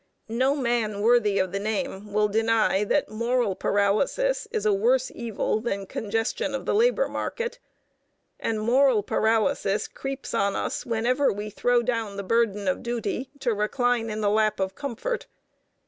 No man worthy of the name will deny that moral paralysis is a worse evil than congestion of the labor market, and moral paralysis creeps on us whenever we throw down the burden of duty to recline in the lap of comfort.